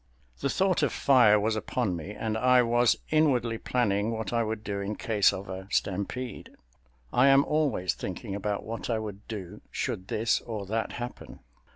The thought of fire was upon me and I was inwardly planning what I would do in case of a stampede. I am always thinking about what I would do should this or that happen.